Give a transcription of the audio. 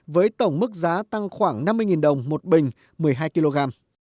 với tổng mức giá tăng khoảng năm mươi đồng một bình một mươi hai kg